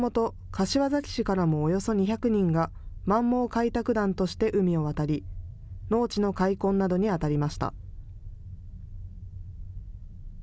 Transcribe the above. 柏崎市からもおよそ２００人が満蒙開拓団として海を渡り農地の開墾などにあたりました。